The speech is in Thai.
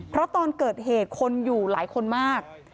เพราะตอนเกิดเหตุคนอยู่หลายคนมาก